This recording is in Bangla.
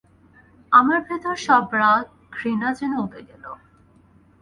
আমার ভিতরের সব রাগ, ঘৃণা যেন উবে গেল।